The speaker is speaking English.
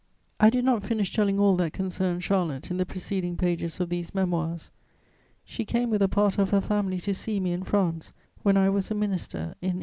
I did not finish telling all that concerns Charlotte in the preceding pages of these Memoirs: she came with a part of her family to see me in France, when I was a minister, in 1823.